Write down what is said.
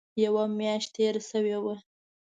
یوه میاشت تېره شوې وه.